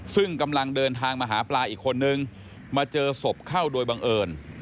ซึ่งกำลังเดินทางมาหาปลาอีกคนนึงมาเจอศพเข้าโดยบังเอิญ